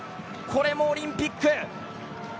これもオリンピック。